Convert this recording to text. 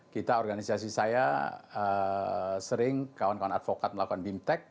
kita organisasi saya sering kawan kawan advokat melakukan bimtek